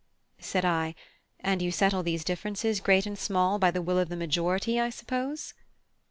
Said I: "And you settle these differences, great and small, by the will of the majority, I suppose?"